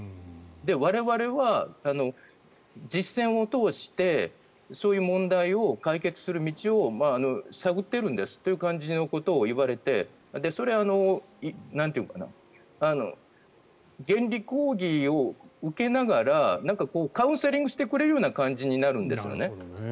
我々は実践を通してそういう問題を解決する道を探っているんですという感じのことを言われてそれは原理講義を受けながらカウンセリングしてくれるような感じになるんですね。